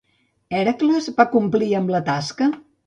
Hèracles va complir amb la tasca?